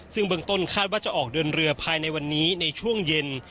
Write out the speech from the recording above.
ซึ่งเบื้องต้นคาดว่าจะออกเดินเรือภายในวันนี้ในช่วงเย็น